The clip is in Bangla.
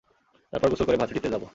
তারপর গোসল করে ভার্সিটিতে যাব।